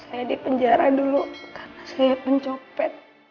saya di penjara dulu karena saya mencopet